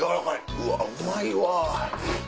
うわうまいわ！